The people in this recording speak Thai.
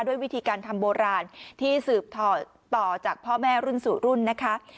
ด้วยวิธีการทำโบราณที่สืบทอดต่อจากพ่อแม่รุ่นสู่รุ่นนะคะ